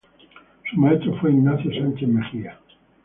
Su maestro fue Ignacio Sánchez Mejías.